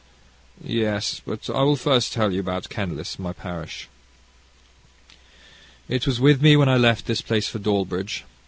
"Yes, but I will first tell you about Kenlis, my parish. "It was with me when I left this place for Dawlbridge.